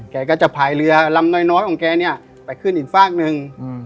แกก็จะพายเรือลำน้อยของแกเนี่ยไปขึ้นอีกฝากหนึ่ง